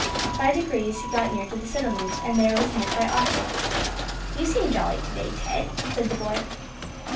By degrees he got near to the settlement, and there was met by Otto. "You seem jolly to day, Ted," said the boy.